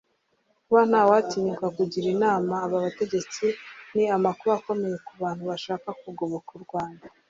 Kuba ntawatinyuka kugira inama aba bategetsi ni amakuba akomeye ku bantu bashaka kugoboka u Rwanda